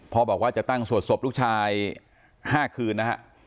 พอบอกว่าจะตั้งสวดศพลูกชาย๕กว่าคืน